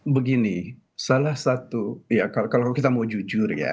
begini salah satu ya kalau kita mau jujur ya